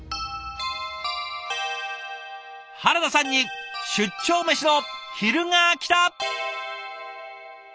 原田さんに出張メシの昼がきた！